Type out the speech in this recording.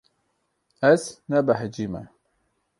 Ez nebehecî me.